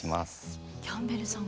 キャンベルさん